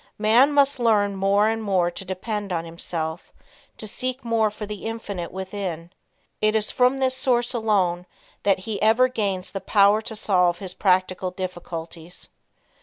Man must learn more and more to depend on himself; to seek more for the Infinite within. It is from this source alone that he ever gains the power to solve his practical difficulties.